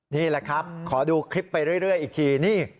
นี่แหละครับขอดูคลิปไปเรื่อยอีกทีนี่